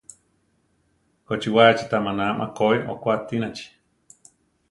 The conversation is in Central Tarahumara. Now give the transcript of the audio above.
Kochiwaachi ta maná makoí okua tinachi?